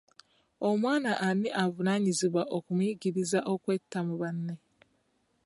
Omwana ani avunaanyizibwa okumuyigiriza okweta mu banne?